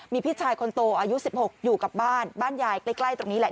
มีพี่ชายคนโตอายุ๑๖อยู่กับบ้านบ้านยายใกล้ตรงนี้แหละ